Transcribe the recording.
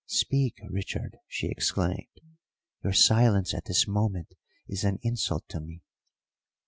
"Speak, Richard!" she exclaimed. "Your silence at this moment is an insult to me."